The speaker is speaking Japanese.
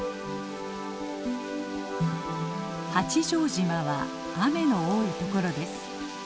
八丈島は雨の多いところです。